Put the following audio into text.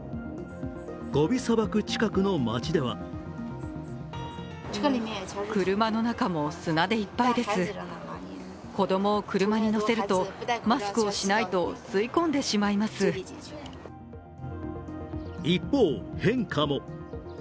ゴビ砂漠近くの街では一方、変化も。